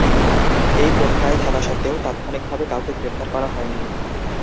এই প্রোফাইল থাকা সত্ত্বেও, তাৎক্ষণিকভাবে কাউকে গ্রেপ্তার করা হয়নি।